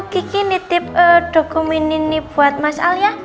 kiki nitip dokumen ini buat mas al ya